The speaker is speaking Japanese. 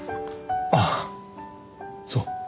ああそう。